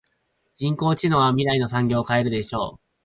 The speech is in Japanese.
人工知能は未来の産業を変えるでしょう。